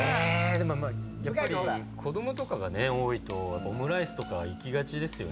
⁉でもやっぱり子供とかが多いとオムライスとかいきがちですよね。